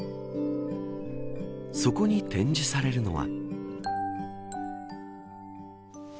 そこに展示されるのは。